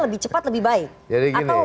lebih cepat lebih baik atau